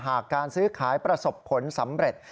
การซื้อขายประสบผลสำเร็จ